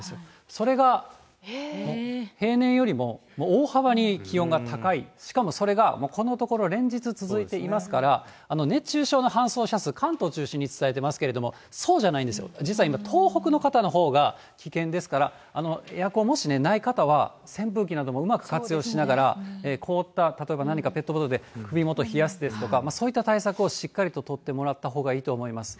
それが平年よりも大幅に気温が高い、しかもそれがこのところ連日続いていますから、熱中症の搬送者数、関東を中心に伝えていますけれども、そうじゃないんですよ、実は今、東北の方のほうが危険ですから、エアコン、もしない方は、扇風機などもうまく活用しながら、凍った、例えば何かペットボトルで首元冷やすですとか、そういった対策をしっかりと取ってもらったほうがいいと思います。